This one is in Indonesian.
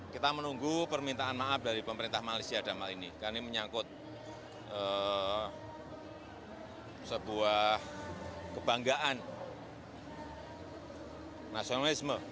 kita menunggu permintaan maaf dari pemerintah malaysia dalam hal ini karena ini menyangkut sebuah kebanggaan nasionalisme